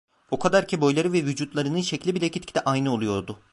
O kadar ki, boyları ve vücutlarının şekli bile gitgide aynı oluyordu.